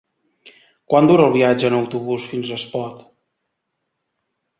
Quant dura el viatge en autobús fins a Espot?